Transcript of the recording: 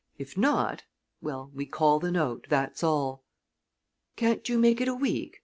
If not well, we call the note, that's all." "Can't you make it a week?"